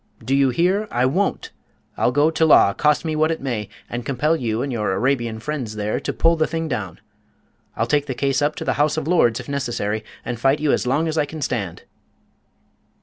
Do you hear? I won't! I'll go to law, cost me what it may, and compel you and your Arabian friends there to pull the thing down. I'll take the case up to the House of Lords, if necessary, and fight you as long as I can stand!"